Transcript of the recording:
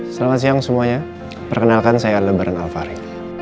selamat siang semuanya perkenalkan saya aldebaran al fahri